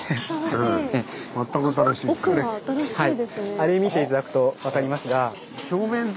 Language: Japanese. あれ見て頂くと分かりますが。